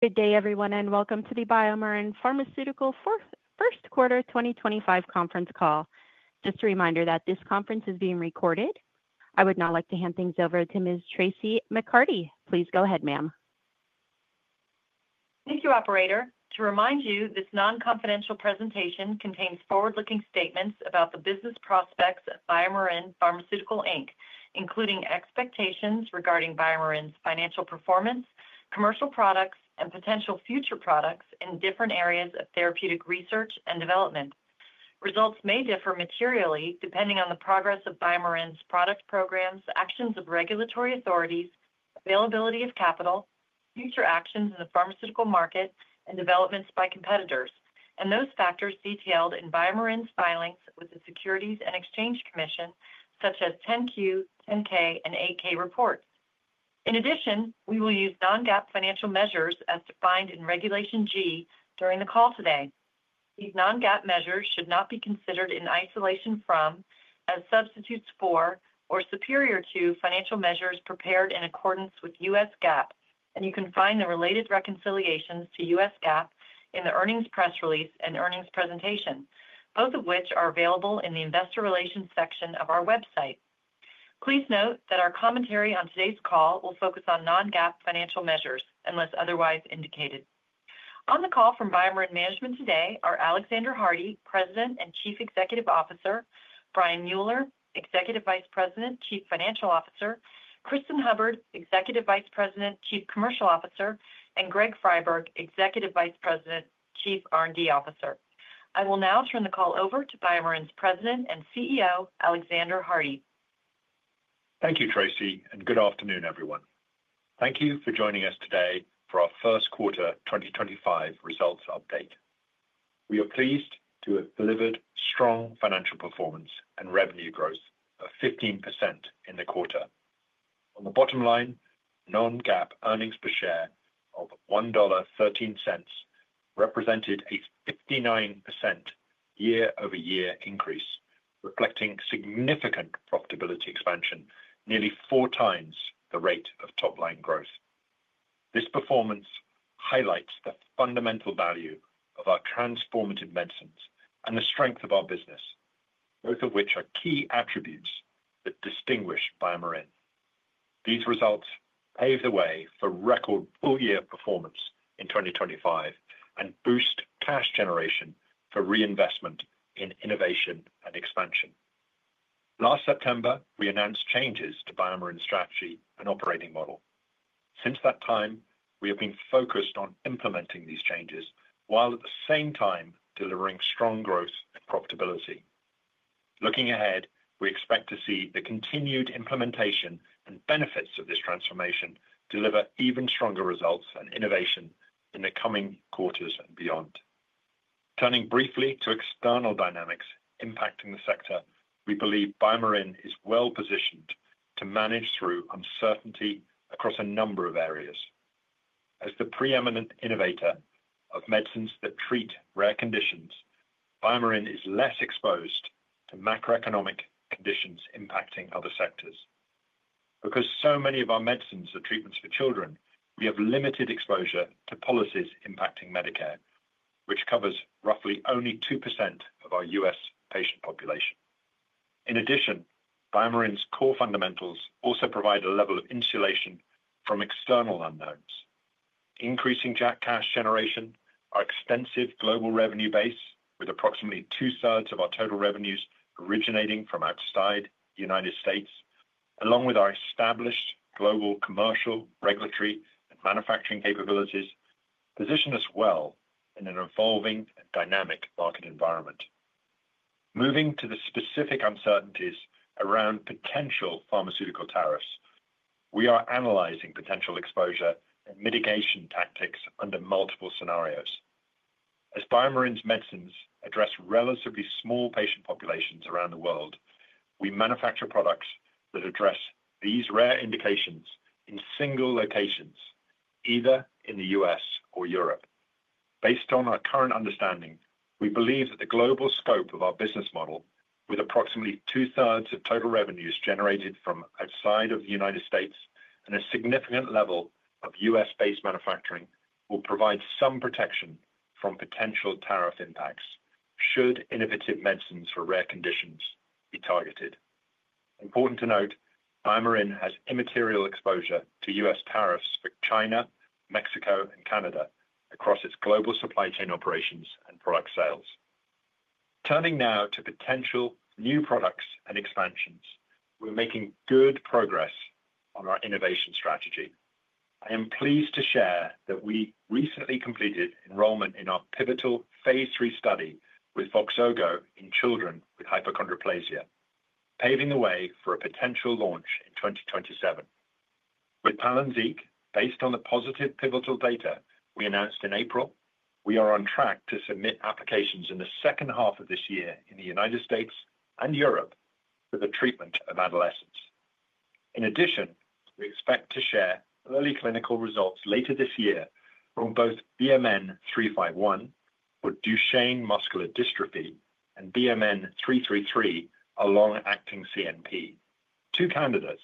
Good day, everyone, and welcome to the BioMarin Pharmaceutical First Quarter 2025 Conference Call. Just a reminder that this conference is being recorded. I would now like to hand things over to Ms. Traci McCarty. Please go ahead, ma'am. Thank you, Operator. To remind you, this non-confidential presentation contains forward-looking statements about the business prospects of BioMarin Pharmaceutical, including expectations regarding BioMarin's financial performance, commercial products, and potential future products in different areas of therapeutic research and development. Results may differ materially depending on the progress of BioMarin's product programs, actions of regulatory authorities, availability of capital, future actions in the pharmaceutical market, and developments by competitors, and those factors detailed in BioMarin's filings with the Securities and Exchange Commission, such as 10-Q, 10-K, and 8-K reports. In addition, we will use non-GAAP financial measures as defined in Regulation G during the call today. These non-GAAP measures should not be considered in isolation from, as substitutes for, or superior to financial measures prepared in accordance with U.S. GAAP, and you can find the related reconciliations to U.S. GAAP in the earnings press release and earnings presentation, both of which are available in the Investor Relations section of our website. Please note that our commentary on today's call will focus on non-GAAP financial measures, unless otherwise indicated. On the call from BioMarin Management today are Alexander Hardy, President and Chief Executive Officer, Brian Mueller, Executive Vice President, Chief Financial Officer, Cristin Hubbard, Executive Vice President, Chief Commercial Officer, and Greg Friberg, Executive Vice President, Chief R&D Officer. I will now turn the call over to BioMarin's President and CEO, Alexander Hardy. Thank you, Traci, and good afternoon, everyone. Thank you for joining us today for our First Quarter 2025 Results update. We are pleased to have delivered strong financial performance and revenue growth of 15% in the quarter. On the bottom line, non-GAAP earnings per share of $1.13 represented a 59% year-over-year increase, reflecting significant profitability expansion, nearly 4x the rate of top-line growth. This performance highlights the fundamental value of our transformative medicines and the strength of our business, both of which are key attributes that distinguish BioMarin. These results pave the way for record full-year performance in 2025 and boost cash generation for reinvestment in innovation and expansion. Last September, we announced changes to BioMarin's strategy and operating model. Since that time, we have been focused on implementing these changes while at the same time delivering strong growth and profitability. Looking ahead, we expect to see the continued implementation and benefits of this transformation deliver even stronger results and innovation in the coming quarters and beyond. Turning briefly to external dynamics impacting the sector, we believe BioMarin is well positioned to manage through uncertainty across a number of areas. As the preeminent innovator of medicines that treat rare conditions, BioMarin is less exposed to macroeconomic conditions impacting other sectors. Because so many of our medicines are treatments for children, we have limited exposure to policies impacting Medicare, which covers roughly only 2% of our U.S. patient population. In addition, BioMarin's core fundamentals also provide a level of insulation from external unknowns. Increasing cash generation, our extensive global revenue base, with approximately 2/3 of our total revenues originating from outside the United States, along with our established global commercial, regulatory, and manufacturing capabilities, position us well in an evolving and dynamic market environment. Moving to the specific uncertainties around potential pharmaceutical tariffs, we are analyzing potential exposure and mitigation tactics under multiple scenarios. As BioMarin's medicines address relatively small patient populations around the world, we manufacture products that address these rare indications in single locations, either in the U.S. or Europe. Based on our current understanding, we believe that the global scope of our business model, with approximately two-thirds of total revenues generated from outside of the United States and a significant level of U.S.-based manufacturing, will provide some protection from potential tariff impacts should innovative medicines for rare conditions be targeted. Important to note, BioMarin has immaterial exposure to U.S. tariffs for China, Mexico, and Canada across its global supply chain operations and product sales. Turning now to potential new products and expansions, we're making good progress on our innovation strategy. I am pleased to share that we recently completed enrollment in our pivotal phase III study with VOXZOGO in children with hypochondroplasia, paving the way for a potential launch in 2027. With PALYNZIQ, based on the positive pivotal data we announced in April 2025, we are on track to submit applications in the second half of this year in the United States and Europe for the treatment of adolescents. In addition, we expect to share early clinical results later this year from both BMN 351 for Duchenne muscular dystrophy and BMN 333, a long-acting CNP, two candidates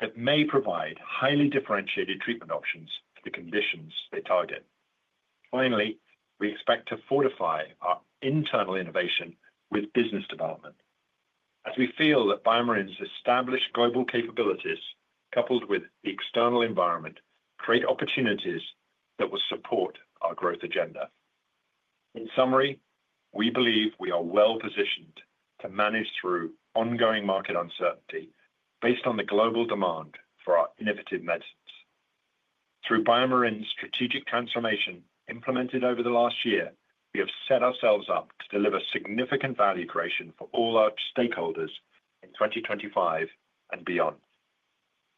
that may provide highly differentiated treatment options for the conditions they target. Finally, we expect to fortify our internal innovation with business development, as we feel that BioMarin's established global capabilities, coupled with the external environment, create opportunities that will support our growth agenda. In summary, we believe we are well positioned to manage through ongoing market uncertainty based on the global demand for our innovative medicines. Through BioMarin's strategic transformation implemented over the last year, we have set ourselves up to deliver significant value creation for all our stakeholders in 2025 and beyond.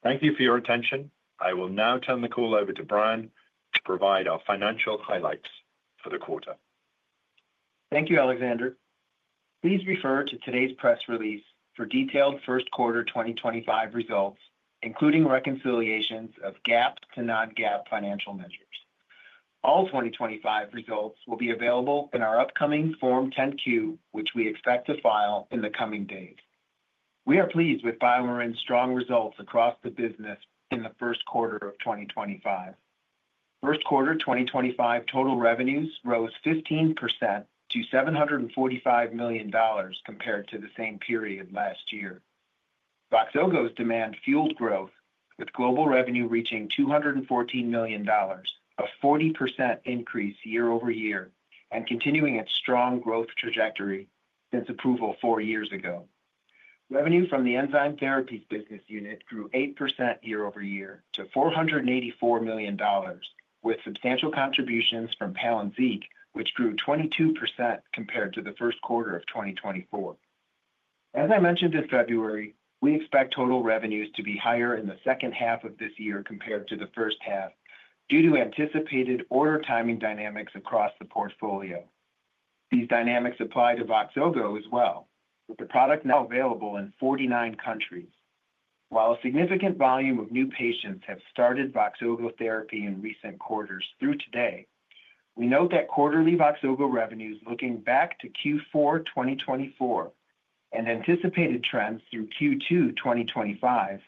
Thank you for your attention. I will now turn the call over to Brian to provide our financial highlights for the quarter. Thank you, Alexander. Please refer to today's press release for detailed first quarter 2025 results, including reconciliations of GAAP to non-GAAP financial measures. All 2025 results will be available in our upcoming Form 10-Q, which we expect to file in the coming days. We are pleased with BioMarin's strong results across the business in the first quarter of 2025. First quarter 2025 total revenues rose 15% to $745 million compared to the same period last year. VOXZOGO's demand fueled growth, with global revenue reaching $214 million, a 40% increase year-over-year and continuing its strong growth trajectory since approval four years ago. Revenue from the Enzyme Therapies business unit grew 8% year-over-year to $484 million, with substantial contributions from PALYNZIQ, which grew 22% compared to the first quarter of 2024. As I mentioned in February 2025, we expect total revenues to be higher in the second half of this year compared to the first half due to anticipated order timing dynamics across the portfolio. These dynamics apply to VOXZOGO as well, with the product now available in 49 countries. While a significant volume of new patients have started VOXZOGO therapy in recent quarters through today, we note that quarterly VOXZOGO revenues, looking back to Q4 2024 and anticipated trends through Q2 2025,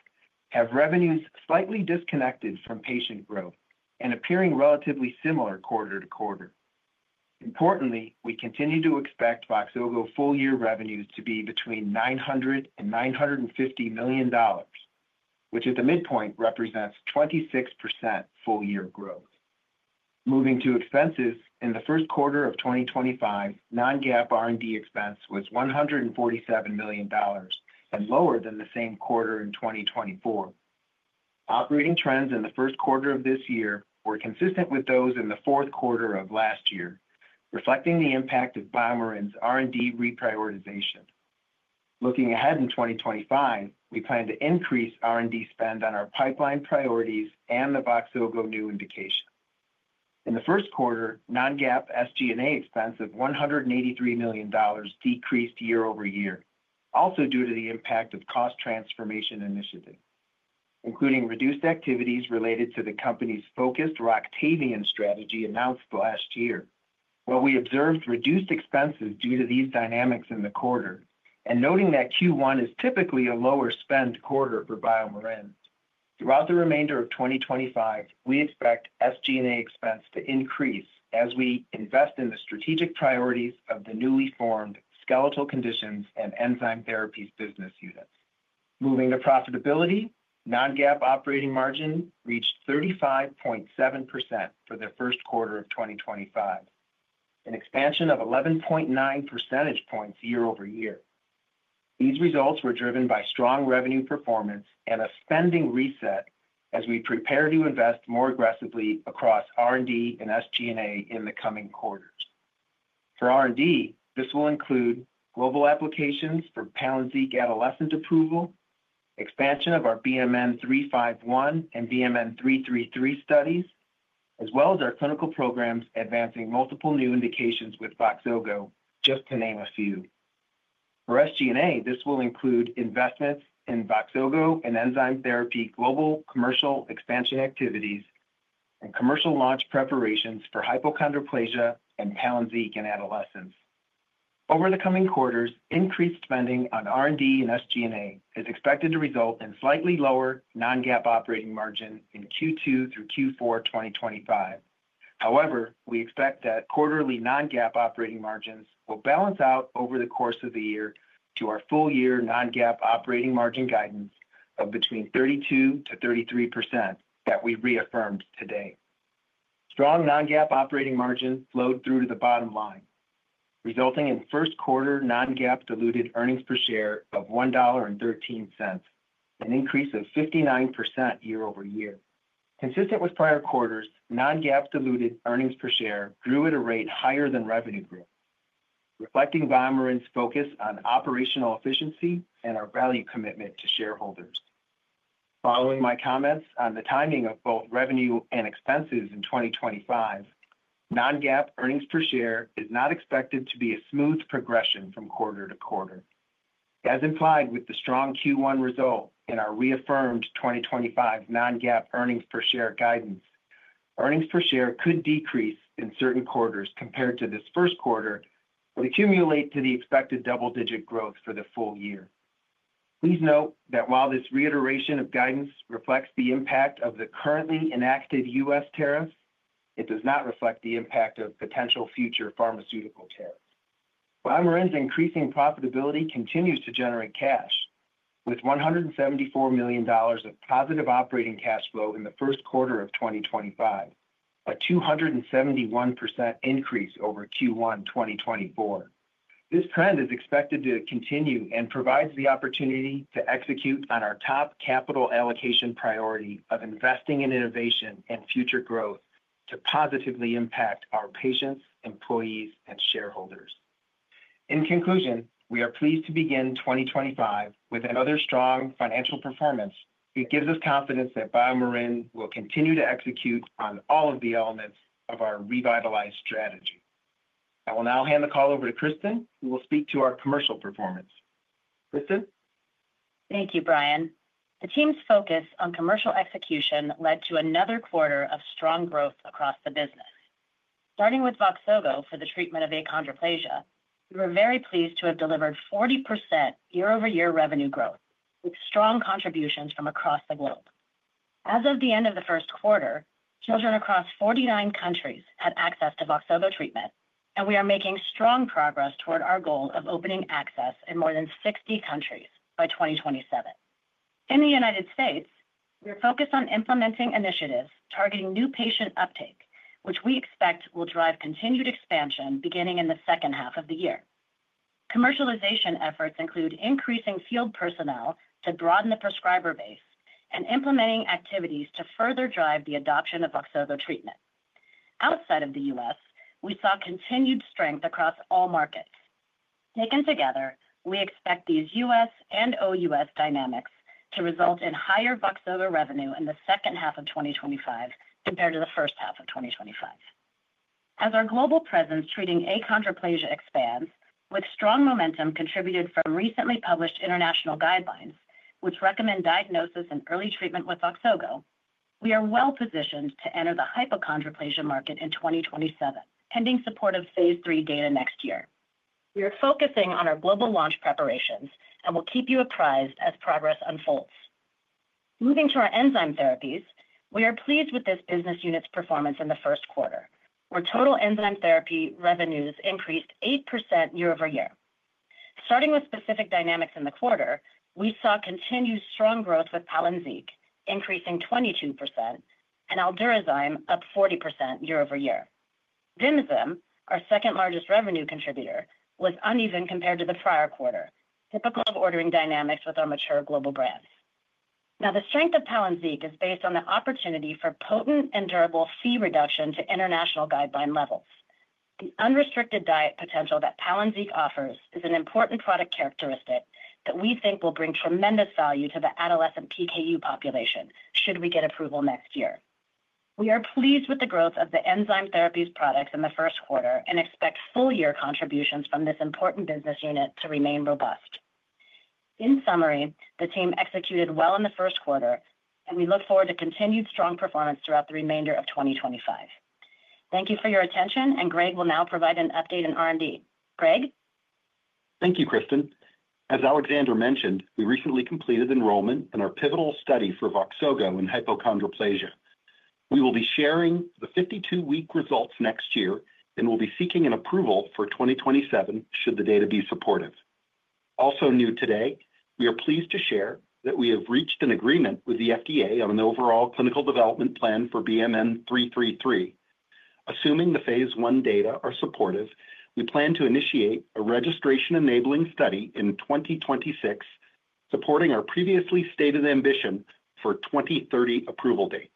have revenues slightly disconnected from patient growth and appearing relatively similar quarter-to-quarter. Importantly, we continue to expect VOXZOGO full-year revenues to be between $900 million and $950 million, which at the midpoint represents 26% full-year growth. Moving to expenses, in the first quarter of 2025, non-GAAP R&D expense was $147 million and lower than the same quarter in 2024. Operating trends in the first quarter of this year were consistent with those in the fourth quarter of last year, reflecting the impact of BioMarin's R&D reprioritization. Looking ahead in 2025, we plan to increase R&D spend on our pipeline priorities and the VOXZOGO new indication. In the first quarter, non-GAAP SG&A expense of $183 million decreased year-over-year, also due to the impact of the cost transformation initiative, including reduced activities related to the company's focused ROCTAVIAN strategy announced last year, where we observed reduced expenses due to these dynamics in the quarter. Noting that Q1 is typically a lower spend quarter for BioMarin, throughout the remainder of 2025, we expect SG&A expense to increase as we invest in the strategic priorities of the newly formed Skeletal Conditions and Enzyme Therapies business units. Moving to profitability, non-GAAP operating margin reached 35.7% for the first quarter of 2025, an expansion of 11.9 percentage points year-over-year. These results were driven by strong revenue performance and a spending reset as we prepare to invest more aggressively across R&D and SG&A in the coming quarters. For R&D, this will include global applications for PALYNZIQ adolescent approval, expansion of our BMN 351 and BMN 333 studies, as well as our clinical programs advancing multiple new indications with VOXZOGO, just to name a few. For SG&A, this will include investments in VOXZOGO and enzyme therapy global commercial expansion activities and commercial launch preparations for hypochondroplasia and PALYNZIQ in adolescents. Over the coming quarters, increased spending on R&D and SG&A is expected to result in slightly lower non-GAAP operating margin in Q2 through Q4 2025. However, we expect that quarterly non-GAAP operating margins will balance out over the course of the year to our full-year non-GAAP operating margin guidance of between 32%-33% that we reaffirmed today. Strong non-GAAP operating margin flowed through to the bottom line, resulting in first quarter non-GAAP diluted earnings per share of $1.13, an increase of 59% year-over-year. Consistent with prior quarters, non-GAAP diluted earnings per share grew at a rate higher than revenue grew, reflecting BioMarin's focus on operational efficiency and our value commitment to shareholders. Following my comments on the timing of both revenue and expenses in 2025, non-GAAP earnings per share is not expected to be a smooth progression from quarter to quarter. As implied with the strong Q1 result in our reaffirmed 2025 non-GAAP earnings per share guidance, earnings per share could decrease in certain quarters compared to this first quarter, but accumulate to the expected double-digit growth for the full year. Please note that while this reiteration of guidance reflects the impact of the currently enacted U.S. tariffs, it does not reflect the impact of potential future pharmaceutical tariffs. BioMarin's increasing profitability continues to generate cash, with $174 million of positive operating cash flow in the first quarter of 2025, a 271% increase over Q1 2024. This trend is expected to continue and provides the opportunity to execute on our top capital allocation priority of investing in innovation and future growth to positively impact our patients, employees, and shareholders. In conclusion, we are pleased to begin 2025 with another strong financial performance that gives us confidence that BioMarin will continue to execute on all of the elements of our revitalized strategy. I will now hand the call over to Cristin, who will speak to our commercial performance. Cristin? Thank you, Brian. The team's focus on commercial execution led to another quarter of strong growth across the business. Starting with VOXZOGO for the treatment of achondroplasia, we were very pleased to have delivered 40% year-over-year revenue growth with strong contributions from across the globe. As of the end of the first quarter, children across 49 countries had access to VOXZOGO treatment, and we are making strong progress toward our goal of opening access in more than 60 countries by 2027. In the United States, we are focused on implementing initiatives targeting new patient uptake, which we expect will drive continued expansion beginning in the second half of the year. Commercialization efforts include increasing field personnel to broaden the prescriber base and implementing activities to further drive the adoption of VOXZOGO treatment. Outside of the U.S., we saw continued strength across all markets. Taken together, we expect these U.S. and O.U.S. dynamics to result in higher VOXZOGO revenue in the second half of 2025 compared to the first half of 2025. As our global presence treating achondroplasia expands, with strong momentum contributed from recently published international guidelines, which recommend diagnosis and early treatment with VOXZOGO, we are well positioned to enter the hypochondroplasia market in 2027, pending support of phase III data next year. We are focusing on our global launch preparations and will keep you apprised as progress unfolds. Moving to our Enzyme Therapies, we are pleased with this business unit's performance in the first quarter, where total enzyme therapy revenues increased 8% year-over-year. Starting with specific dynamics in the quarter, we saw continued strong growth with PALYNZIQ, increasing 22%, and ALDURAZYME up 40% year-over-year. VIMIZIM, our second-largest revenue contributor, was uneven compared to the prior quarter, typical of ordering dynamics with our mature global brands. Now, the strength of PALYNZIQ is based on the opportunity for potent and durable Phe reduction to international guideline levels. The unrestricted diet potential that PALYNZIQ offers is an important product characteristic that we think will bring tremendous value to the adolescent PKU population should we get approval next year. We are pleased with the growth of the Enzyme Therapies products in the first quarter and expect full-year contributions from this important business unit to remain robust. In summary, the team executed well in the first quarter, and we look forward to continued strong performance throughout the remainder of 2025. Thank you for your attention, and Greg will now provide an update in R&D. Greg? Thank you, Cristin. As Alexander mentioned, we recently completed enrollment in our pivotal study for VOXZOGO in hypochondroplasia. We will be sharing the 52-week results next year and will be seeking approval for 2027 should the data be supportive. Also new today, we are pleased to share that we have reached an agreement with the FDA on an overall clinical development plan for BMN 333. Assuming the phase I data are supportive, we plan to initiate a registration-enabling study in 2026, supporting our previously stated ambition for 2030 approval date.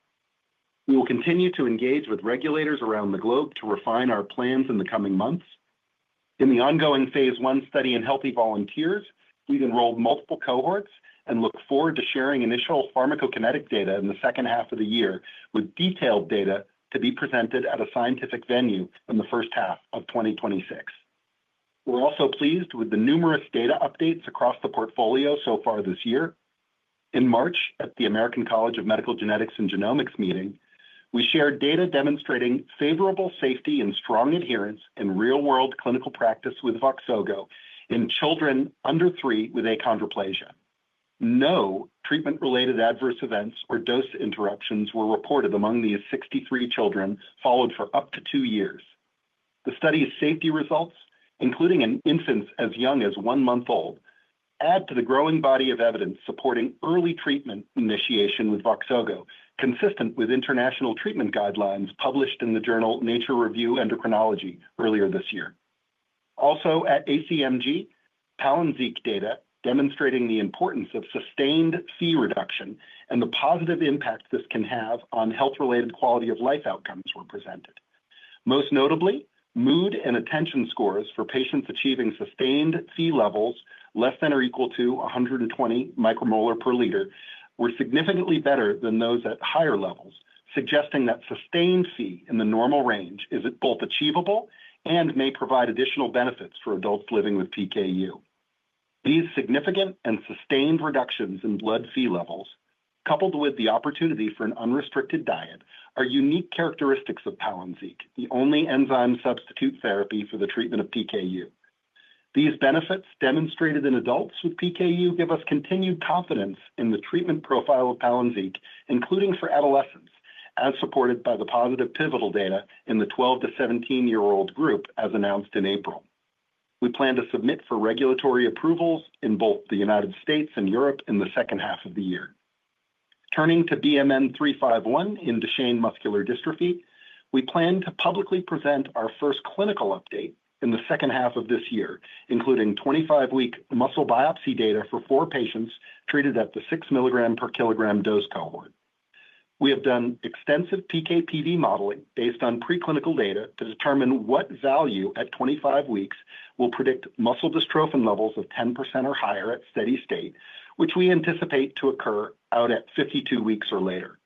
We will continue to engage with regulators around the globe to refine our plans in the coming months. In the ongoing phase I study in healthy volunteers, we've enrolled multiple cohorts and look forward to sharing initial pharmacokinetic data in the second half of the year, with detailed data to be presented at a scientific venue in the first half of 2026. We're also pleased with the numerous data updates across the portfolio so far this year. In March 2025, at the American College of Medical Genetics and Genomics meeting, we shared data demonstrating favorable safety and strong adherence in real-world clinical practice with VOXZOGO in children under three with achondroplasia. No treatment-related adverse events or dose interruptions were reported among these 63 children followed for up to two years. The study's safety results, including an infant as young as one month old, add to the growing body of evidence supporting early treatment initiation with VOXZOGO, consistent with international treatment guidelines published in the journal Nature Reviews Endocrinology earlier this year. Also, at ACMG, PALYNZIQ data demonstrating the importance of sustained Phe reduction and the positive impact this can have on health-related quality of life outcomes were presented. Most notably, mood and attention scores for patients achieving sustained Phe levels less than or equal to 120 μmol per L were significantly better than those at higher levels, suggesting that sustained Phe in the normal range is both achievable and may provide additional benefits for adults living with PKU. These significant and sustained reductions in blood Phe levels, coupled with the opportunity for an unrestricted diet, are unique characteristics of PALYNZIQ, the only enzyme substitute therapy for the treatment of PKU. These benefits demonstrated in adults with PKU give us continued confidence in the treatment profile of PALYNZIQ, including for adolescents, as supported by the positive pivotal data in the 12 to 17-year-old group, as announced in April 2025. We plan to submit for regulatory approvals in both the United States and Europe in the second half of the year. Turning to BMN 351 in Duchenne muscular dystrophy, we plan to publicly present our first clinical update in the second half of this year, including 25-week muscle biopsy data for four patients treated at the 6 mg per kg dose cohort. We have done extensive PK/PD modeling based on preclinical data to determine what value at 25 weeks will predict muscle dystrophin levels of 10% or higher at steady state, which we anticipate to occur out at 52 weeks or later.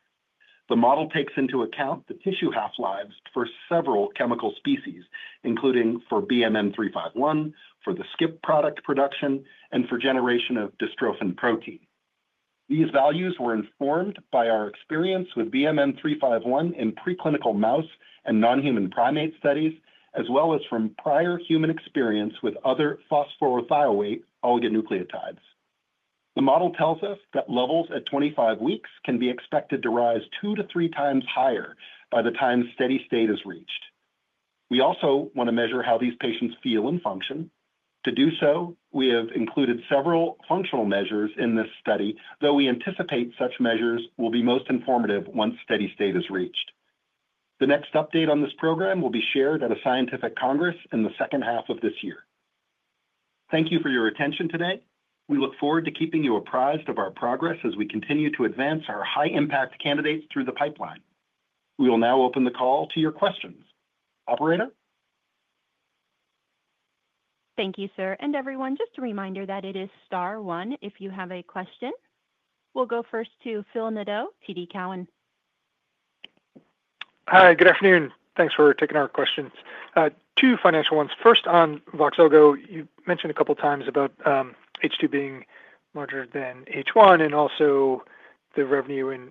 The model takes into account the tissue half-lives for several chemical species, including for BMN 351, for the skip product production, and for generation of dystrophin protein. These values were informed by our experience with BMN 351 in preclinical mouse and non-human primate studies, as well as from prior human experience with other phosphorothioate oligonucleotides. The model tells us that levels at 25 weeks can be expected to rise 2x-3x higher by the time steady state is reached. We also want to measure how these patients feel and function. To do so, we have included several functional measures in this study, though we anticipate such measures will be most informative once steady state is reached. The next update on this program will be shared at a scientific congress in the second half of this year. Thank you for your attention today. We look forward to keeping you apprised of our progress as we continue to advance our high-impact candidates through the pipeline. We will now open the call to your questions. Operator? Thank you, sir. Everyone, just a reminder that it is star one if you have a question. We'll go first to Phil Nadeau, TD Cowen. Hi, good afternoon. Thanks for taking our questions. Two financial ones. First, on VOXZOGO, you mentioned a couple of times about H2 being larger than H1 and also the revenue in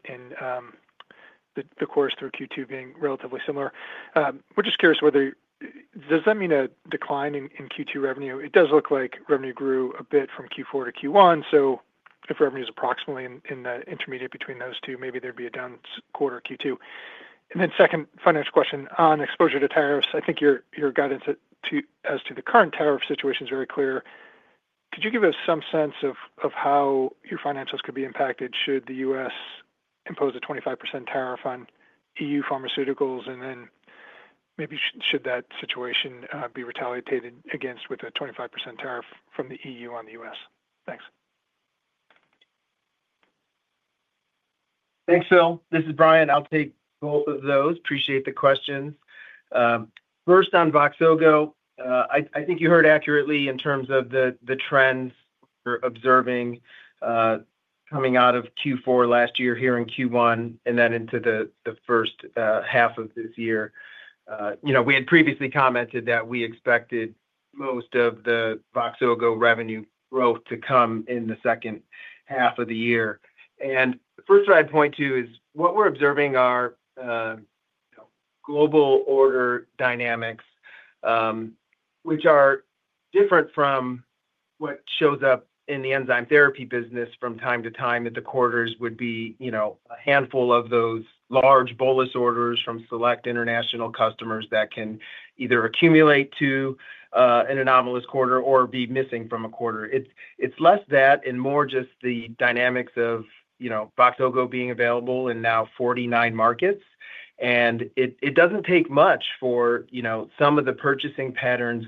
the quarters through Q2 being relatively similar. We're just curious whether does that mean a decline in Q2 revenue? It does look like revenue grew a bit from Q4 to Q1, so if revenue is approximately in the intermediate between those two, maybe there'd be a down quarter Q2. Second financial question on exposure to tariffs. I think your guidance as to the current tariff situation is very clear. Could you give us some sense of how your financials could be impacted should the U.S. impose a 25% tariff on EU pharmaceuticals, and then maybe should that situation be retaliated against with a 25% tariff from the EU on the U.S.? Thanks. Thanks, Phil. This is Brian. I'll take both of those. Appreciate the questions. First, on VOXZOGO, I think you heard accurately in terms of the trends we're observing coming out of Q4 last year here in Q1 and then into the first half of this year. We had previously commented that we expected most of the VOXZOGO revenue growth to come in the second half of the year. The first thing I'd point to is what we're observing are global order dynamics, which are different from what shows up in the enzyme therapy business from time to time that the quarters would be a handful of those large bolus orders from select international customers that can either accumulate to an anomalous quarter or be missing from a quarter. It's less that and more just the dynamics of VOXZOGO being available in now 49 markets. It does not take much for some of the purchasing patterns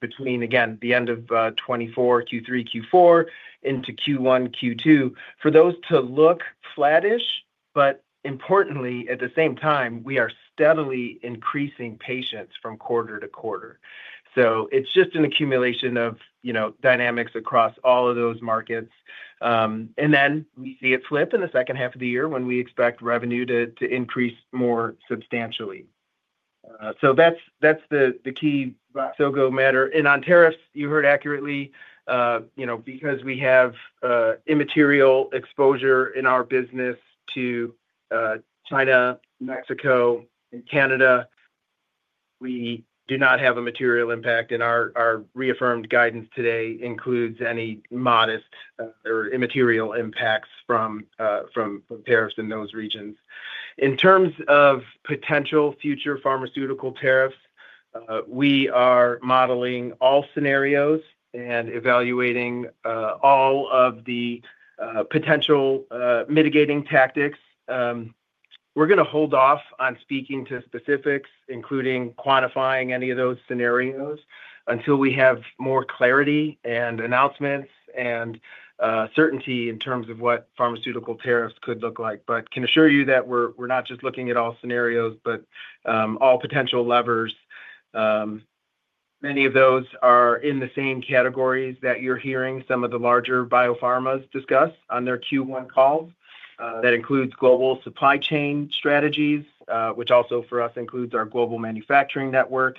between, again, the end of 2024, Q3, Q4 into Q1, Q2, for those to look flattish. Importantly, at the same time, we are steadily increasing patients from quarter to quarter. It is just an accumulation of dynamics across all of those markets. We see it flip in the second half of the year when we expect revenue to increase more substantially. That is the key VOXZOGO matter. On tariffs, you heard accurately. Because we have immaterial exposure in our business to China, Mexico, and Canada, we do not have a material impact, and our reaffirmed guidance today includes any modest or immaterial impacts from tariffs in those regions. In terms of potential future pharmaceutical tariffs, we are modeling all scenarios and evaluating all of the potential mitigating tactics. We're going to hold off on speaking to specifics, including quantifying any of those scenarios until we have more clarity and announcements and certainty in terms of what pharmaceutical tariffs could look like. I can assure you that we're not just looking at all scenarios, but all potential levers. Many of those are in the same categories that you're hearing some of the larger biopharmas discuss on their Q1 calls. That includes global supply chain strategies, which also for us includes our global manufacturing network,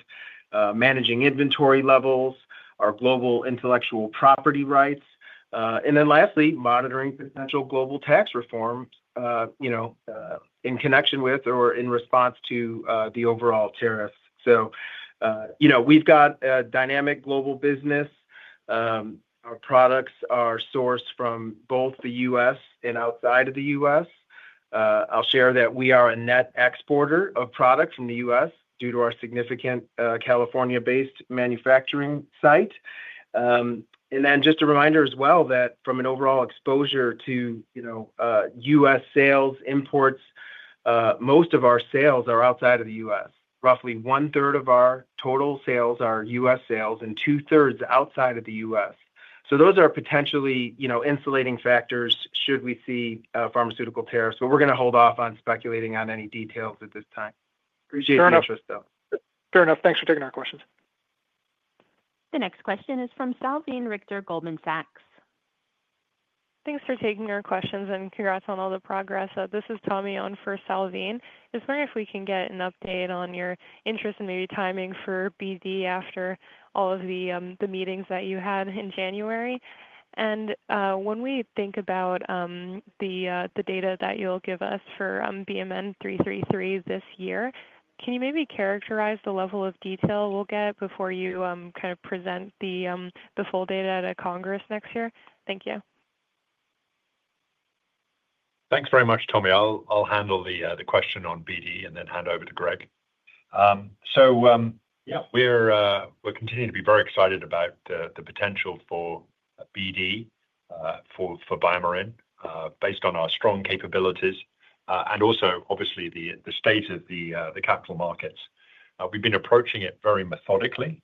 managing inventory levels, our global intellectual property rights. Lastly, monitoring potential global tax reform in connection with or in response to the overall tariffs. We've got a dynamic global business. Our products are sourced from both the U.S. and outside of the U.S. I'll share that we are a net exporter of product from the U.S. due to our significant California-based manufacturing site. Just a reminder as well that from an overall exposure to U.S. sales imports, most of our sales are outside of the U.S. Roughly 1/3 of our total sales are U.S. sales and 2/3 outside of the U.S. Those are potentially insulating factors should we see pharmaceutical tariffs. We're going to hold off on speculating on any details at this time. Appreciate your interest, though. Fair enough. Thanks for taking our questions. The next question is from Salveen Richter Goldman Sachs. Thanks for taking our questions and congrats on all the progress. This is Tommie on for Salveen. Just wondering if we can get an update on your interest and maybe timing for BD after all of the meetings that you had in January 2025. When we think about the data that you'll give us for BMN 333 this year, can you maybe characterize the level of detail we'll get before you kind of present the full data at a congress next year? Thank you. Thanks very much, Tommie. I'll handle the question on BD and then hand over to Greg. Yeah, we're continuing to be very excited about the potential for BD for BioMarin based on our strong capabilities and also, obviously, the state of the capital markets. We've been approaching it very methodically.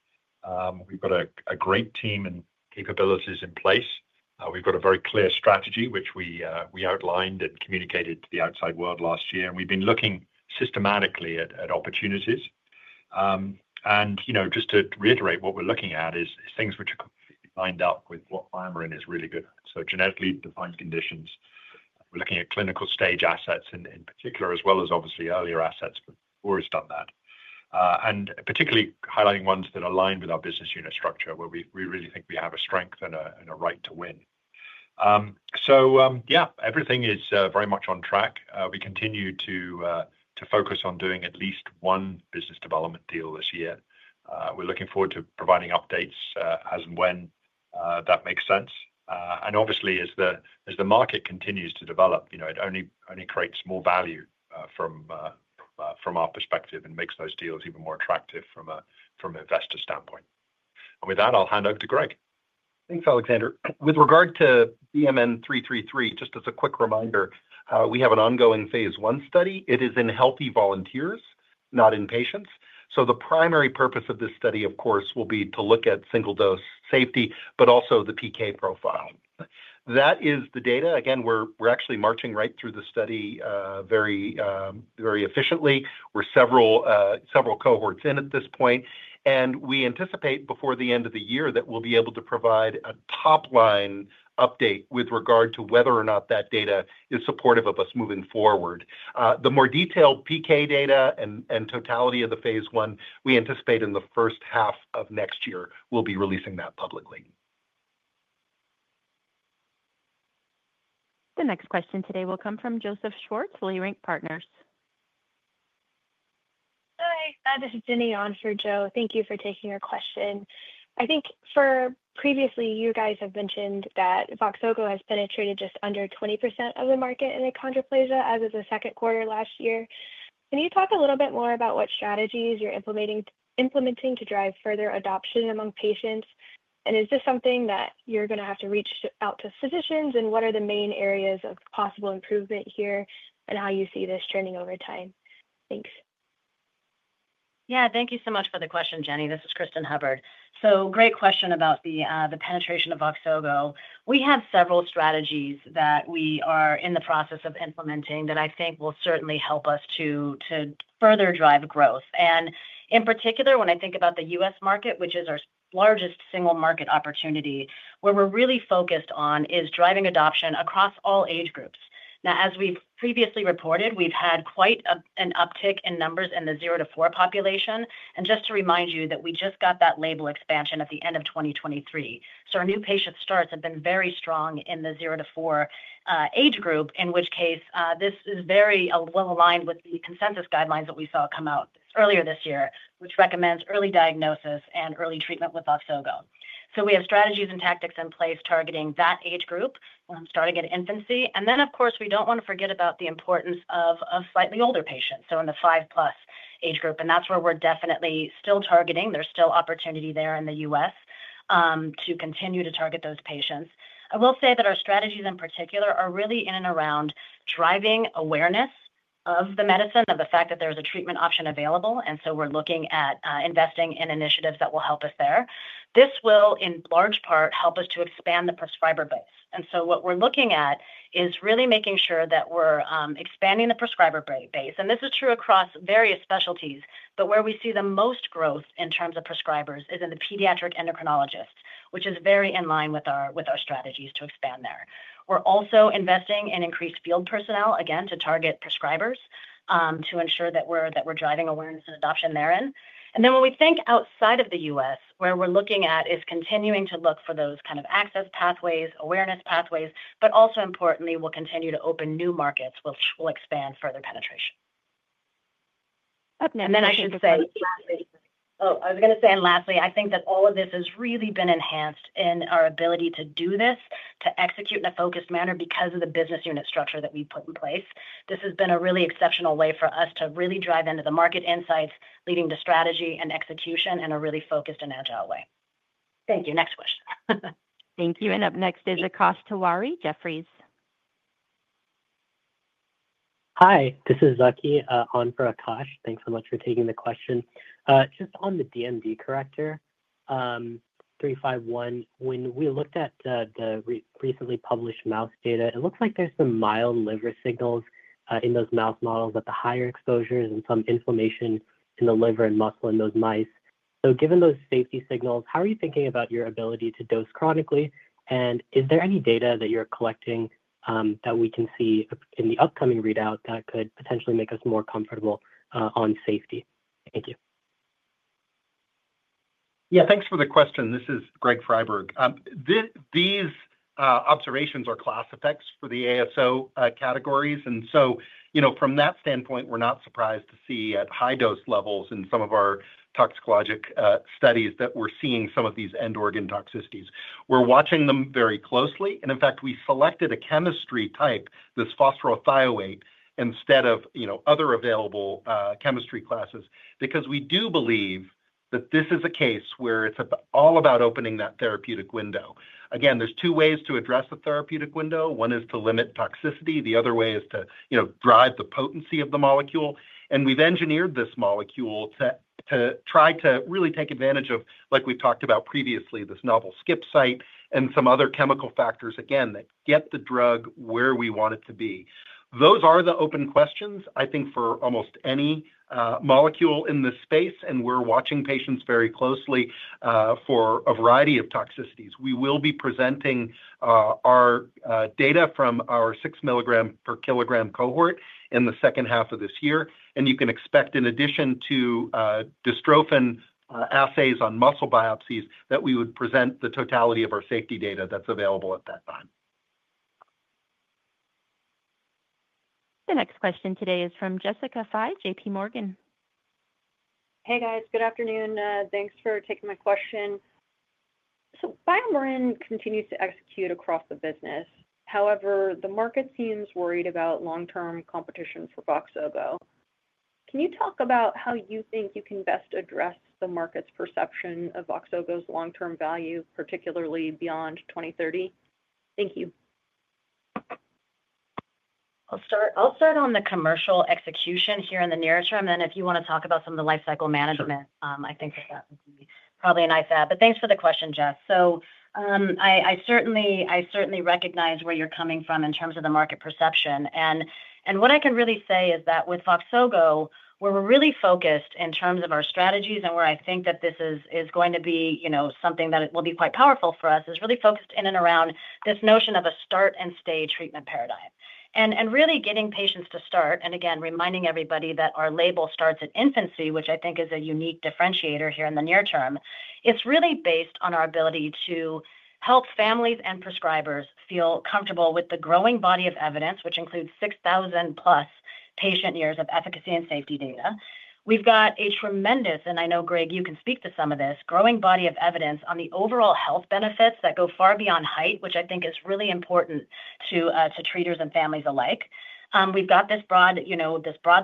We've got a great team and capabilities in place. We've got a very clear strategy, which we outlined and communicated to the outside world last year. We've been looking systematically at opportunities. Just to reiterate, what we're looking at is things which are completely lined up with what BioMarin is really good at. Genetically defined conditions. We're looking at clinical stage assets in particular, as well as obviously earlier assets, but we've always done that. Particularly highlighting ones that align with our business unit structure, where we really think we have a strength and a right to win. Everything is very much on track. We continue to focus on doing at least one business development deal this year. We are looking forward to providing updates as and when that makes sense. Obviously, as the market continues to develop, it only creates more value from our perspective and makes those deals even more attractive from an investor standpoint. With that, I'll hand over to Greg. Thanks, Alexander. With regard to BMN 333, just as a quick reminder, we have an ongoing phase I study. It is in healthy volunteers, not in patients. The primary purpose of this study, of course, will be to look at single-dose safety, but also the PK profile. That is the data. Again, we're actually marching right through the study very efficiently. We're several cohorts in at this point. We anticipate before the end of the year that we'll be able to provide a top-line update with regard to whether or not that data is supportive of us moving forward. The more detailed PK data and totality of the phase I, we anticipate in the first half of next year, we'll be releasing that publicly. The next question today will come from Joseph Schwartz, Leerink Partners. Hi, this is Jenny on for Joe. Thank you for taking our question. I think for previously, you guys have mentioned that VOXZOGO has penetrated just under 20% of the market in achondroplasia as of the second quarter last year. Can you talk a little bit more about what strategies you're implementing to drive further adoption among patients? Is this something that you're going to have to reach out to physicians? What are the main areas of possible improvement here and how you see this trending over time? Thanks. Yeah, thank you so much for the question, Jenny. This is Cristin Hubbard. Great question about the penetration of VOXZOGO. We have several strategies that we are in the process of implementing that I think will certainly help us to further drive growth. In particular, when I think about the U.S. market, which is our largest single-market opportunity, where we're really focused on is driving adoption across all age groups. Now, as we've previously reported, we've had quite an uptick in numbers in the 0-4 population. Just to remind you that we just got that label expansion at the end of 2023. Our new patient starts have been very strong in the 0-4 age group, in which case this is very well aligned with the consensus guidelines that we saw come out earlier this year, which recommends early diagnosis and early treatment with VOXZOGO. We have strategies and tactics in place targeting that age group, starting at infancy. Of course, we do not want to forget about the importance of slightly older patients, so in the 5+ age group. That is where we are definitely still targeting. There is still opportunity there in the U.S. to continue to target those patients. I will say that our strategies in particular are really in and around driving awareness of the medicine, of the fact that there is a treatment option available. We are looking at investing in initiatives that will help us there. This will, in large part, help us to expand the prescriber base. What we're looking at is really making sure that we're expanding the prescriber base. This is true across various specialties, but where we see the most growth in terms of prescribers is in the pediatric endocrinologists, which is very in line with our strategies to expand there. We're also investing in increased field personnel, again, to target prescribers to ensure that we're driving awareness and adoption therein. When we think outside of the U.S., where we're looking at is continuing to look for those kind of access pathways, awareness pathways, but also importantly, we'll continue to open new markets. We'll expand further penetration. I should say Oh, I was going to say, and lastly, I think that all of this has really been enhanced in our ability to do this, to execute in a focused manner because of the business unit structure that we've put in place. This has been a really exceptional way for us to really drive into the market insights, leading to strategy and execution in a really focused and agile way. Thank you. Next question. Thank you. Up next is Akash Tewari, Jefferies. Hi, this is Zaki on for Akash. Thanks so much for taking the question. Just on the DMD corrector BMN 351, when we looked at the recently published mouse data, it looks like there's some mild liver signals in those mouse models at the higher exposures and some inflammation in the liver and muscle in those mice. Given those safety signals, how are you thinking about your ability to dose chronically? Is there any data that you're collecting that we can see in the upcoming readout that could potentially make us more comfortable on safety? Thank you. Yeah, thanks for the question. This is Greg Friberg. These observations are class effects for the ASO categories. From that standpoint, we're not surprised to see at high dose levels in some of our toxicologic studies that we're seeing some of these end-organ toxicities. We're watching them very closely. In fact, we selected a chemistry type, this phosphorothioate instead of other available chemistry classes because we do believe that this is a case where it's all about opening that therapeutic window. Again, there are two ways to address the therapeutic window. One is to limit toxicity. The other way is to drive the potency of the molecule. We've engineered this molecule to try to really take advantage of, like we've talked about previously, this novel skip site and some other chemical factors, again, that get the drug where we want it to be. Those are the open questions, I think, for almost any molecule in this space. We are watching patients very closely for a variety of toxicities. We will be presenting our data from our 6 mg per kg cohort in the second half of this year. You can expect, in addition to dystrophin assays on muscle biopsies, that we would present the totality of our safety data that is available at that time. The next question today is from Jessica Fye, JPMorgan. Hey, guys. Good afternoon. Thanks for taking my question. BioMarin continues to execute across the business. However, the market seems worried about long-term competition for VOXZOGO. Can you talk about how you think you can best address the market's perception of VOXZOGO's long-term value, particularly beyond 2030? Thank you. I'll start on the commercial execution here in the near term. If you want to talk about some of the life cycle management, I think that that would be probably a nice add. Thanks for the question, Jess. I certainly recognize where you're coming from in terms of the market perception. What I can really say is that with VOXZOGO, we're really focused in terms of our strategies and where I think that this is going to be something that will be quite powerful for us, is really focused in and around this notion of a start-and-stay treatment paradigm. Really getting patients to start. Again, reminding everybody that our label starts at infancy, which I think is a unique differentiator here in the near term, it's really based on our ability to help families and prescribers feel comfortable with the growing body of evidence, which includes 6,000+ patient years of efficacy and safety data. We've got a tremendous, and I know, Greg, you can speak to some of this, growing body of evidence on the overall health benefits that go far beyond height, which I think is really important to treaters and families alike. We've got this broad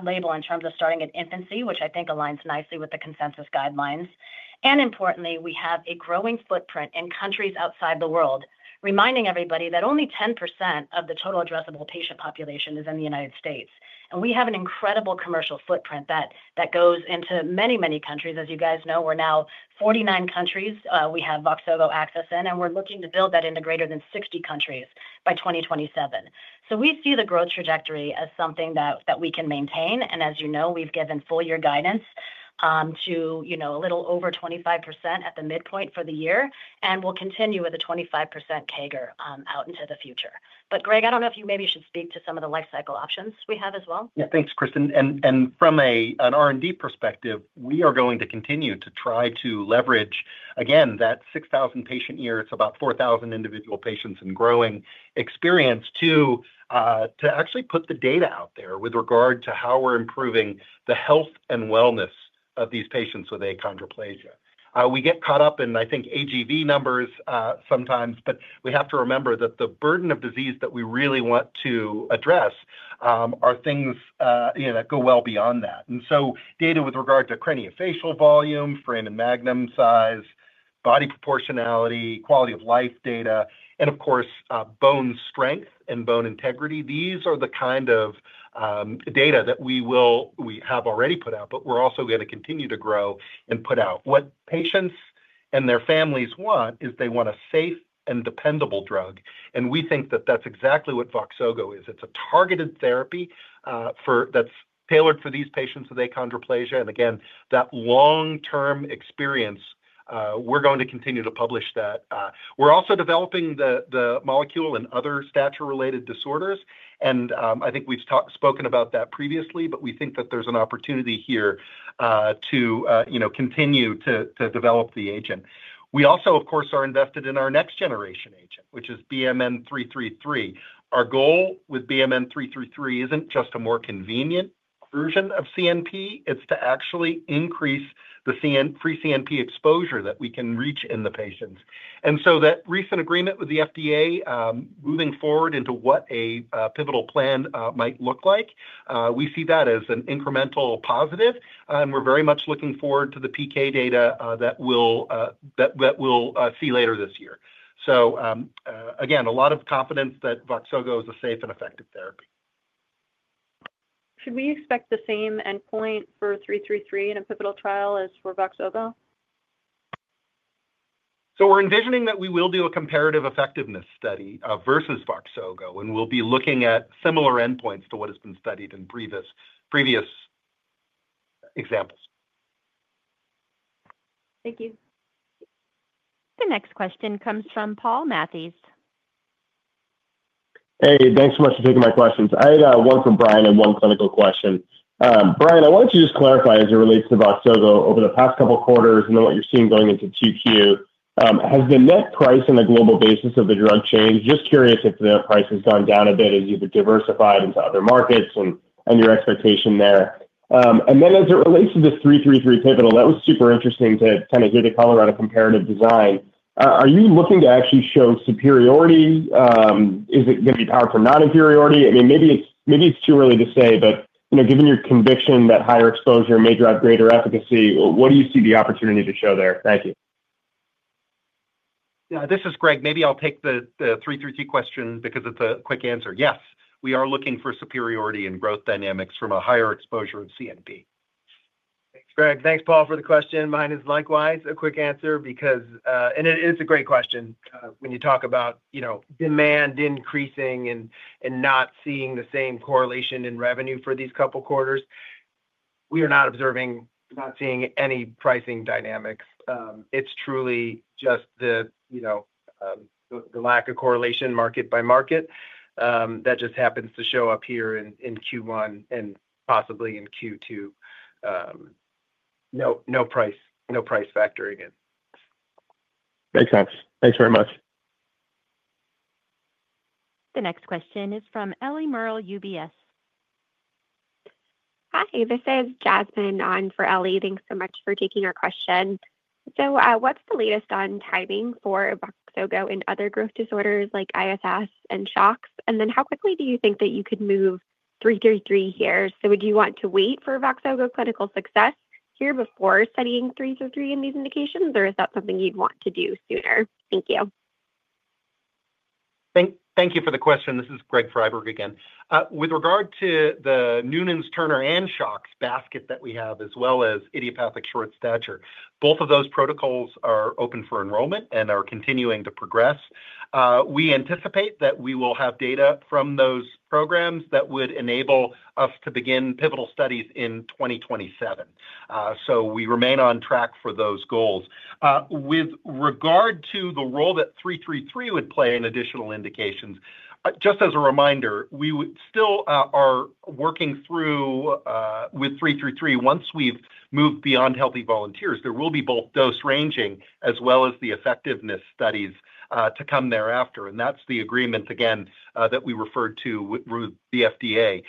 label in terms of starting at infancy, which I think aligns nicely with the consensus guidelines. Importantly, we have a growing footprint in countries outside the United States, reminding everybody that only 10% of the total addressable patient population is in the United States. We have an incredible commercial footprint that goes into many, many countries. As you guys know, we are now in 49 countries we have VOXZOGO access in, and we are looking to build that into greater than 60 countries by 2027. We see the growth trajectory as something that we can maintain. As you know, we have given full-year guidance to a little over 25% at the midpoint for the year. We will continue with a 25% CAGR out into the future. Greg, I do not know if you maybe should speak to some of the life cycle options we have as well. Yeah, thanks, Cristin. From an R&D perspective, we are going to continue to try to leverage, again, that 6,000 patient year. It's about 4,000 individual patients and growing experience to actually put the data out there with regard to how we're improving the health and wellness of these patients with achondroplasia. We get caught up in, I think, AGV numbers sometimes, but we have to remember that the burden of disease that we really want to address are things that go well beyond that. Data with regard to craniofacial volume, foramen magnum size, body proportionality, quality-of-life data, and of course, bone strength and bone integrity, these are the kind of data that we have already put out, but we're also going to continue to grow and put out. What patients and their families want is they want a safe and dependable drug. We think that that's exactly what VOXZOGO is. It's a targeted therapy that's tailored for these patients with achondroplasia. Again, that long-term experience, we're going to continue to publish that. We're also developing the molecule in other stature-related disorders. I think we've spoken about that previously, but we think that there's an opportunity here to continue to develop the agent. We also, of course, are invested in our next-generation agent, which is BMN 333. Our goal with BMN 333 isn't just a more convenient version of CNP. It's to actually increase the free CNP exposure that we can reach in the patients. That recent agreement with the FDA moving forward into what a pivotal plan might look like, we see that as an incremental positive. We're very much looking forward to the PK data that we'll see later this year. Again, a lot of confidence that VOXZOGO is a safe and effective therapy. Should we expect the same endpoint for BMN 333 in a pivotal trial as for VOXZOGO? We are envisioning that we will do a comparative effectiveness study versus VOXZOGO, and we will be looking at similar endpoints to what has been studied in previous examples. Thank you. The next question comes from Paul Matteis. Hey, thanks so much for taking my questions. I had one for Brian and one clinical question. Brian, I wanted to just clarify as it relates to VOXZOGO over the past couple of quarters and then what you're seeing going into 2Q. Has the net price on a global basis of the drug changed? Just curious if the net price has gone down a bit as you've diversified into other markets and your expectation there. As it relates to this BMN 333 pivotal, that was super interesting to kind of hear the color on the comparative design. Are you looking to actually show superiority? Is it going to be powered for non-inferiority? I mean, maybe it's too early to say, but given your conviction that higher exposure may drive greater efficacy, what do you see the opportunity to show there? Thank you. Yeah, this is Greg. Maybe I'll take the 333 question because it's a quick answer. Yes, we are looking for superiority in growth dynamics from a higher exposure of CNP. Thanks, Greg. Thanks, Paul, for the question. Mine is likewise a quick answer because it is a great question. When you talk about demand increasing and not seeing the same correlation in revenue for these couple of quarters, we are not observing, not seeing any pricing dynamics. It's truly just the lack of correlation market by market that just happens to show up here in Q1 and possibly in Q2. No price factoring in. Makes sense. Thanks very much. The next question is from Ellie Merle, UBS. Hi, this is Jasmine on for Ellie. Thanks so much for taking our question. What's the latest on timing for VOXZOGO in other growth disorders like ISS and SHOX? How quickly do you think that you could move BMN 333 here? Would you want to wait for VOXZOGO clinical success here before studying BMN 333 in these indications, or is that something you'd want to do sooner? Thank you. Thank you for the question. This is Greg Friberg again. With regard to the Noonan's, Turner, and SHOX basket that we have, as well as idiopathic short stature, both of those protocols are open for enrollment and are continuing to progress. We anticipate that we will have data from those programs that would enable us to begin pivotal studies in 2027. We remain on track for those goals. With regard to the role that BMN 333 would play in additional indications, just as a reminder, we still are working through with BMN 333. Once we've moved beyond healthy volunteers, there will be both dose ranging as well as the effectiveness studies to come thereafter. That is the agreement, again, that we referred to with the FDA.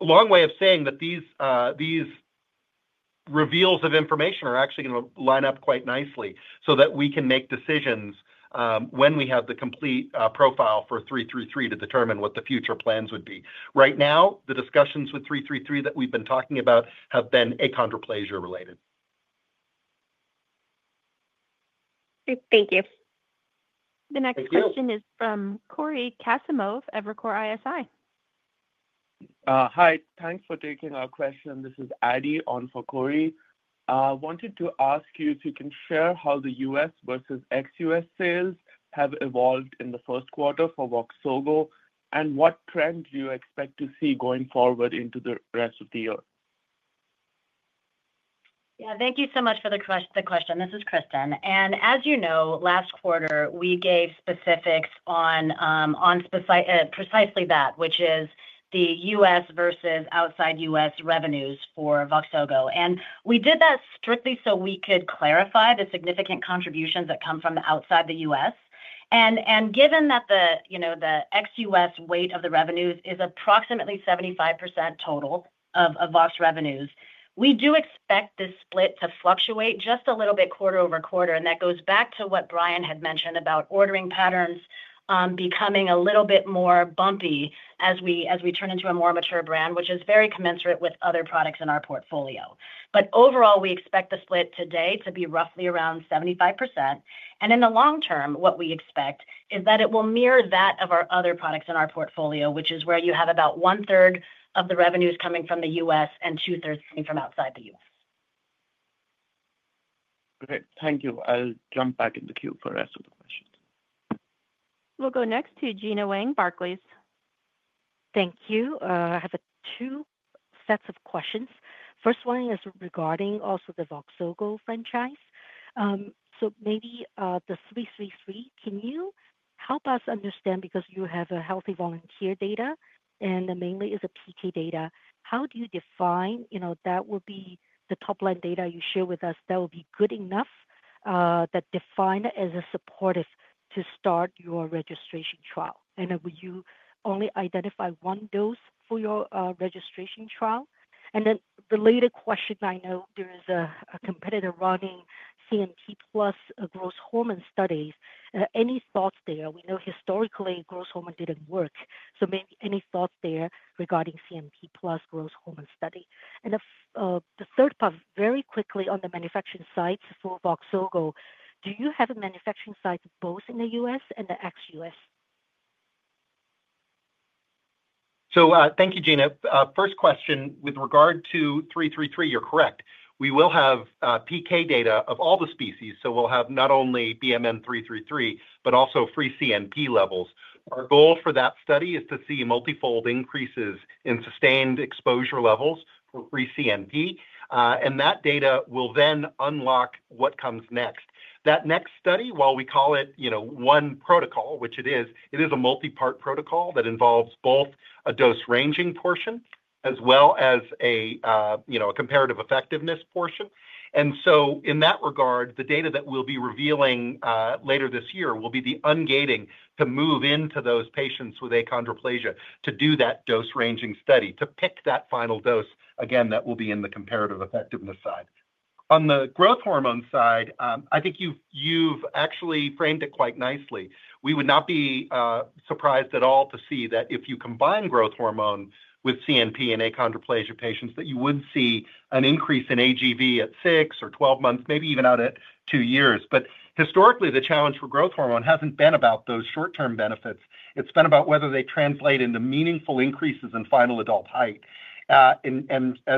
Long way of saying that these reveals of information are actually going to line up quite nicely so that we can make decisions when we have the complete profile for BMN 333 to determine what the future plans would be. Right now, the discussions with BMN 333 that we've been talking about have been achondroplasia related. Thank you. The next question is from Cory Kasimov of Evercore ISI. Hi, thanks for taking our question. This is Adi on for Cory. I wanted to ask you if you can share how the U.S. versus ex-U.S. sales have evolved in the first quarter for VOXZOGO and what trend do you expect to see going forward into the rest of the year? Yeah, thank you so much for the question. This is Cristin. And as you know, last quarter, we gave specifics on precisely that, which is the U.S. versus outside U.S. revenues for VOXZOGO. And we did that strictly so we could clarify the significant contributions that come from outside the U.S. Given that the ex-U.S. weight of the revenues is approximately 75% total of VOXZOGO revenues, we do expect this split to fluctuate just a little bit quarter-over-quarter. That goes back to what Brian had mentioned about ordering patterns becoming a little bit more bumpy as we turn into a more mature brand, which is very commensurate with other products in our portfolio. Overall, we expect the split today to be roughly around 75%. In the long term, what we expect is that it will mirror that of our other products in our portfolio, which is where you have about 1/3 of the revenues coming from the U.S. and 2/3 coming from outside the U.S. Okay, thank you. I'll jump back in the queue for the rest of the questions. We'll go next to Gena Wang, Barclays. Thank you. I have two sets of questions. First one is regarding also the VOXZOGO franchise. Maybe the BMN 333, can you help us understand because you have a healthy volunteer data and mainly is a PK data? How do you define that will be the top-line data you share with us that will be good enough that define it as a supportive to start your registration trial? Would you only identify one dose for your registration trial? Related question, I know there is a competitor running CNP plus a growth hormone study. Any thoughts there? We know historically growth hormone did not work. Any thoughts there regarding CNP plus growth hormone study? The third part, very quickly on the manufacturing sites for VOXZOGO, do you have a manufacturing site both in the U.S. and the ex-U.S.? Thank you, Gena. First question with regard to BMN 333, you're correct. We will have PK data of all the species. We'll have not only BMN 333, but also free CNP levels. Our goal for that study is to see multifold increases in sustained exposure levels for free CNP. That data will then unlock what comes next. That next study, while we call it one protocol, which it is, it is a multi-part protocol that involves both a dose ranging portion as well as a comparative effectiveness portion. In that regard, the data that we'll be revealing later this year will be the ungating to move into those patients with achondroplasia to do that dose ranging study to pick that final dose, again, that will be in the comparative effectiveness side. On the growth hormone side, I think you've actually framed it quite nicely. We would not be surprised at all to see that if you combine growth hormone with CNP in achondroplasia patients, that you would see an increase in AGV at 6 or 12 months, maybe even out at 2 years. Historically, the challenge for growth hormone hasn't been about those short-term benefits. It's been about whether they translate into meaningful increases in final adult height. As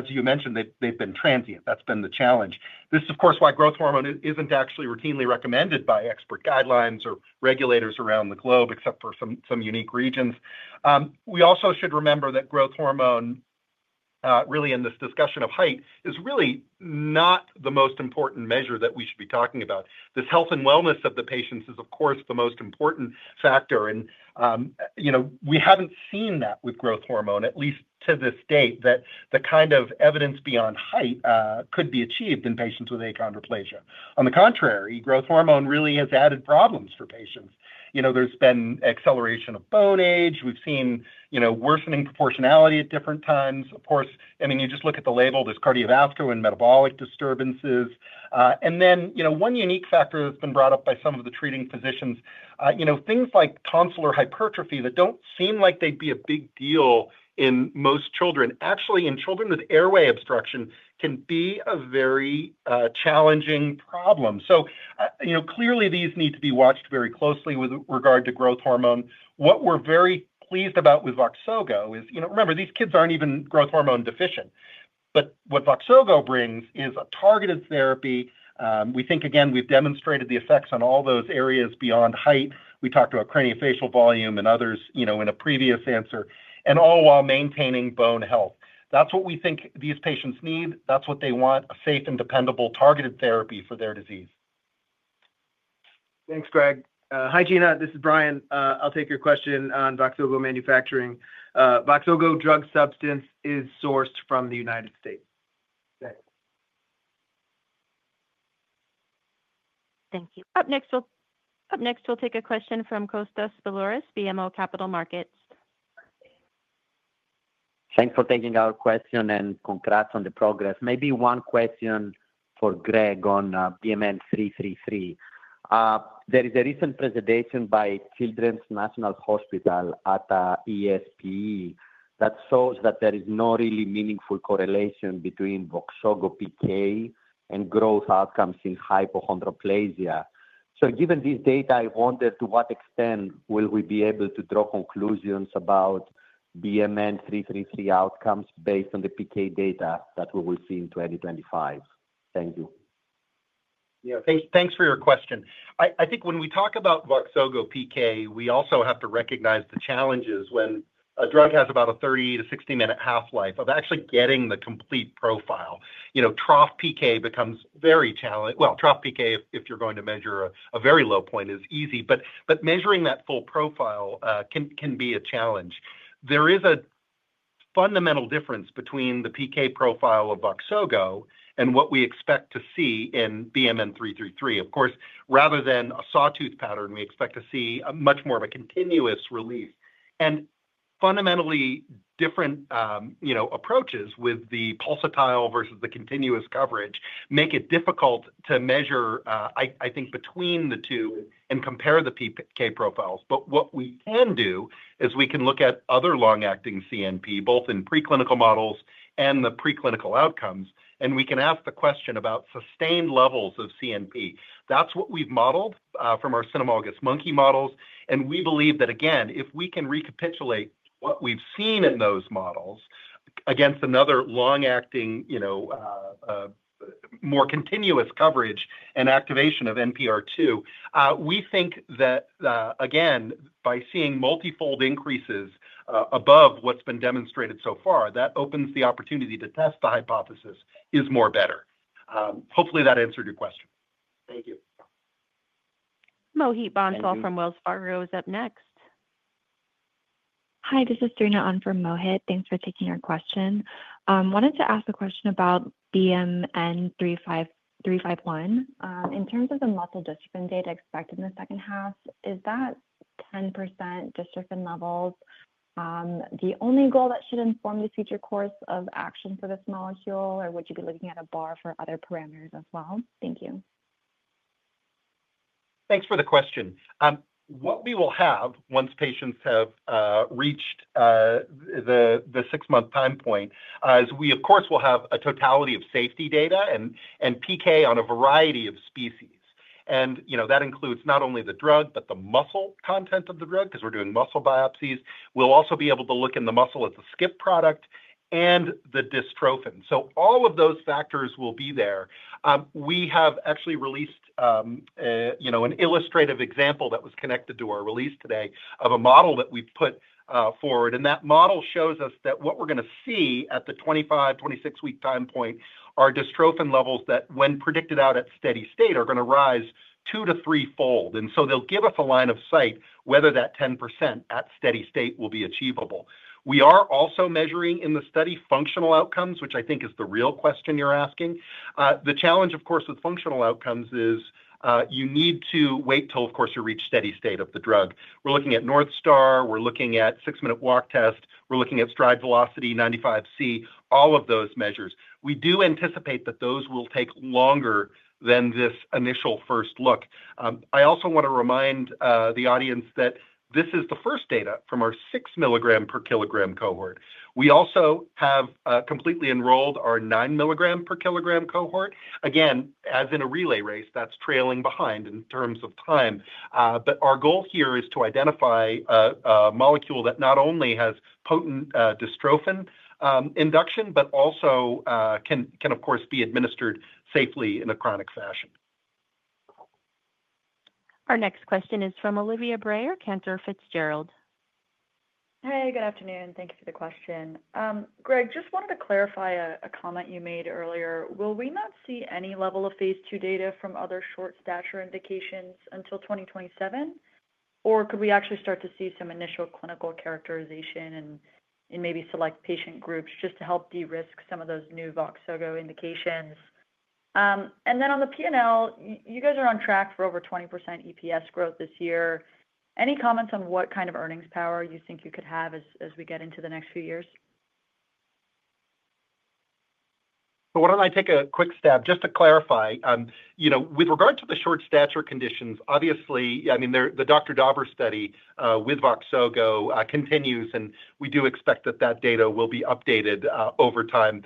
you mentioned, they've been transient. That's been the challenge. This is, of course, why growth hormone isn't actually routinely recommended by expert guidelines or regulators around the globe, except for some unique regions. We also should remember that growth hormone, really in this discussion of height, is really not the most important measure that we should be talking about. The health and wellness of the patients is, of course, the most important factor. We have not seen that with growth hormone, at least to this date, that the kind of evidence beyond height could be achieved in patients with achondroplasia. On the contrary, growth hormone really has added problems for patients. There has been acceleration of bone age. We have seen worsening proportionality at different times. Of course, I mean, you just look at the label, there are cardiovascular and metabolic disturbances. One unique factor that has been brought up by some of the treating physicians, things like tonsillar hypertrophy that do not seem like they would be a big deal in most children, actually in children with airway obstruction can be a very challenging problem. Clearly, these need to be watched very closely with regard to growth hormone. What we are very pleased about with VOXZOGO is, remember, these kids are not even growth hormone deficient. What VOXZOGO brings is a targeted therapy. We think, again, we've demonstrated the effects on all those areas beyond height. We talked about craniofacial volume and others in a previous answer, and all while maintaining bone health. That's what we think these patients need. That's what they want: a safe and dependable targeted therapy for their disease. Thanks, Greg. Hi, Gena. This is Brian. I'll take your question on VOXZOGO manufacturing. VOXZOGO drug substance is sourced from the United States. Thanks. Thank you. Up next, we'll take a question from Kostas Biliouris, BMO Capital Markets. Thanks for taking our question and congrats on the progress. Maybe one question for Greg on BMN 333. There is a recent presentation by Children's National Hospital at ESPE that shows that there is no really meaningful correlation between VOXZOGO PK and growth outcomes in hypochondroplasia. Given this data, I wonder to what extent will we be able to draw conclusions about BMN 333 outcomes based on the PK data that we will see in 2025? Thank you. Yeah, thanks for your question. I think when we talk about VOXZOGO PK, we also have to recognize the challenges when a drug has about a 30-60 minute half-life of actually getting the complete profile. Trough PK becomes very challenging. Trough PK, if you're going to measure a very low point, is easy. But measuring that full profile can be a challenge. There is a fundamental difference between the PK profile of VOXZOGO and what we expect to see in BMN 333. Of course, rather than a sawtooth pattern, we expect to see much more of a continuous release. Fundamentally different approaches with the pulsatile versus the continuous coverage make it difficult to measure, I think, between the two and compare the PK profiles. What we can do is we can look at other long-acting CNP, both in preclinical models and the preclinical outcomes, and we can ask the question about sustained levels of CNP. That is what we have modeled from our Cynomolgus monkey models. We believe that, again, if we can recapitulate what we have seen in those models against another long-acting, more continuous coverage and activation of NPR2, we think that, again, by seeing multifold increases above what has been demonstrated so far, that opens the opportunity to test the hypothesis is more better. Hopefully, that answered your question. Thank you. Mohit Bansal from Wells Fargo is up next. Hi, this is Serena on for Mohit. Thanks for taking our question. Wanted to ask a question about BMN 351. In terms of the muscle dystrophin data expected in the second half, is that 10% dystrophin levels the only goal that should inform the future course of action for this molecule, or would you be looking at a bar for other parameters as well? Thank you. Thanks for the question. What we will have once patients have reached the 6-month time point is we, of course, will have a totality of safety data and PK on a variety of species. That includes not only the drug, but the muscle content of the drug because we're doing muscle biopsies. We'll also be able to look in the muscle at the skip product and the dystrophin. All of those factors will be there. We have actually released an illustrative example that was connected to our release today of a model that we put forward. That model shows us that what we're going to see at the 25-26 week time point are dystrophin levels that, when predicted out at steady state, are going to rise 2-3 fold. They'll give us a line of sight whether that 10% at steady state will be achievable. We are also measuring in the study functional outcomes, which I think is the real question you're asking. The challenge, of course, with functional outcomes is you need to wait till, of course, you reach steady state of the drug. We're looking at North Star. We're looking at six-minute walk test. We're looking at tride velocity 95C, all of those measures. We do anticipate that those will take longer than this initial first look. I also want to remind the audience that this is the first data from our 6 mg per kg cohort. We also have completely enrolled our 9 mg per kg cohort. Again, as in a relay race, that's trailing behind in terms of time. Our goal here is to identify a molecule that not only has potent dystrophin induction, but also can, of course, be administered safely in a chronic fashion. Our next question is from Olivia Brayer, Cantor Fitzgerald. Hi, good afternoon. Thank you for the question. Greg, just wanted to clarify a comment you made earlier. Will we not see any level of phase II data from other short-stature indications until 2027? Or could we actually start to see some initial clinical characterization and maybe select patient groups just to help de-risk some of those new VOXZOGO indications? On the P&L, you guys are on track for over 20% EPS growth this year. Any comments on what kind of earnings power you think you could have as we get into the next few years? Why don't I take a quick stab just to clarify? With regard to the short-stature conditions, obviously, I mean, the Dr. Dauber study with VOXZOGO continues, and we do expect that that data will be updated over time.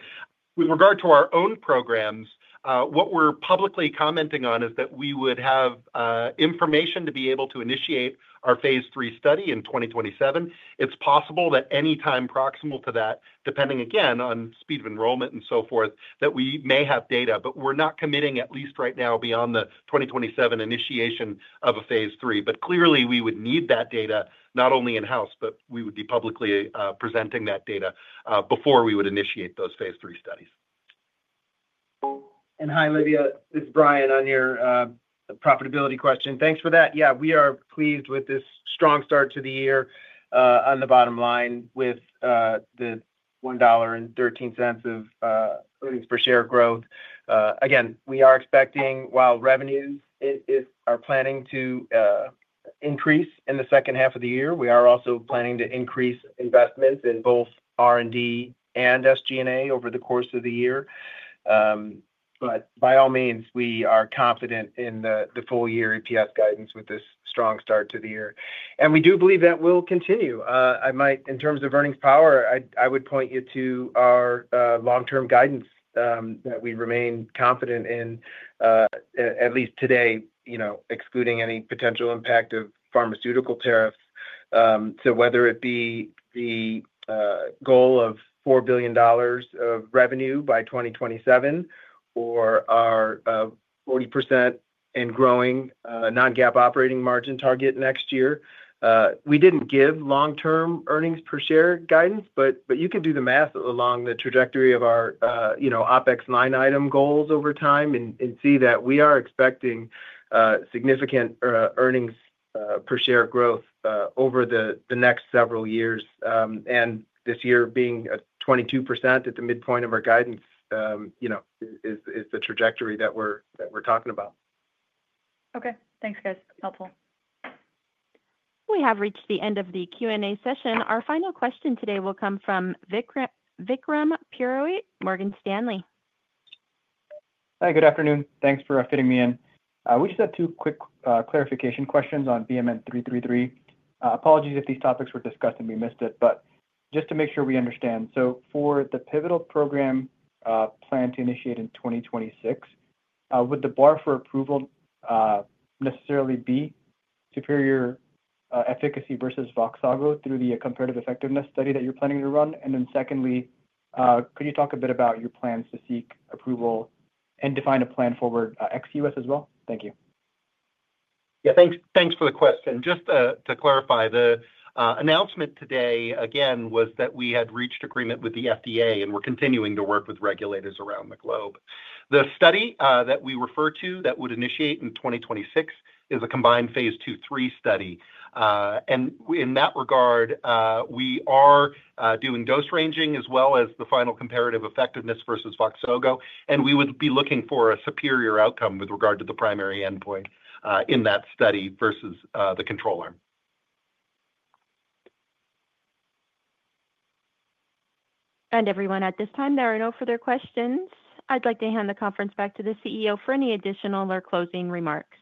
With regard to our own programs, what we're publicly commenting on is that we would have information to be able to initiate our phase III study in 2027. It's possible that anytime proximal to that, depending again on speed of enrollment and so forth, we may have data. We're not committing, at least right now, beyond the 2027 initiation of a phase III. Clearly, we would need that data not only in-house, but we would be publicly presenting that data before we would initiate those phase III studies. Hi, Olivia. This is Brian on your profitability question. Thanks for that. Yeah, we are pleased with this strong start to the year on the bottom line with the $1.13 of earnings per share growth. Again, we are expecting, while revenues are planning to increase in the second half of the year, we are also planning to increase investments in both R&D and SG&A over the course of the year. By all means, we are confident in the full-year EPS guidance with this strong start to the year. We do believe that will continue. In terms of earnings power, I would point you to our long-term guidance that we remain confident in, at least today, excluding any potential impact of pharmaceutical tariffs. Whether it be the goal of $4 billion of revenue by 2027 or our 40% and growing non-GAAP operating margin target next year, we did not give long-term earnings per share guidance. You can do the math along the trajectory of our OpEx line item goals over time and see that we are expecting significant earnings per share growth over the next several years. This year being 22% at the midpoint of our guidance is the trajectory that we are talking about. Okay. Thanks, guys. Helpful. We have reached the end of the Q&A session. Our final question today will come from Vikram Purohit, Morgan Stanley. Hi, good afternoon. Thanks for fitting me in. We just have two quick clarification questions on BMN 333. Apologies if these topics were discussed and we missed it. Just to make sure we understand, for the pivotal program planned to initiate in 2026, would the bar for approval necessarily be superior efficacy versus VOXZOGO through the comparative effectiveness study that you're planning to run? Secondly, could you talk a bit about your plans to seek approval and define a plan forward ex-U.S. as well? Thank you. Yeah, thanks for the question. Just to clarify, the announcement today, again, was that we had reached agreement with the FDA and we're continuing to work with regulators around the globe. The study that we refer to that would initiate in 2026 is a combined phase II/III study. In that regard, we are doing dose ranging as well as the final comparative effectiveness versus VOXZOGO. We would be looking for a superior outcome with regard to the primary endpoint in that study versus the control arm. Everyone, at this time, there are no further questions. I'd like to hand the conference back to the CEO for any additional or closing remarks.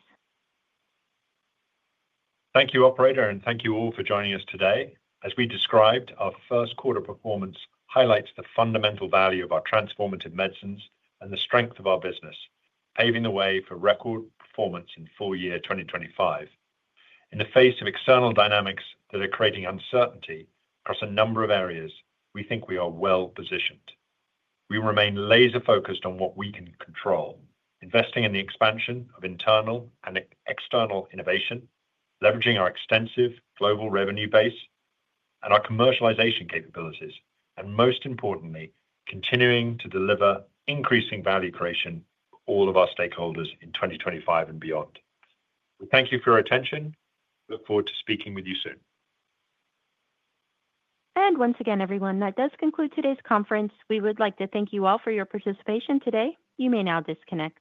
Thank you, Operator, and thank you all for joining us today. As we described, our first-quarter performance highlights the fundamental value of our transformative medicines and the strength of our business, paving the way for record performance in full year 2025. In the face of external dynamics that are creating uncertainty across a number of areas, we think we are well positioned. We remain laser-focused on what we can control, investing in the expansion of internal and external innovation, leveraging our extensive global revenue base, and our commercialization capabilities, and most importantly, continuing to deliver increasing value creation for all of our stakeholders in 2025 and beyond. We thank you for your attention. Look forward to speaking with you soon. Once again, everyone, that does conclude today's conference. We would like to thank you all for your participation today. You may now disconnect.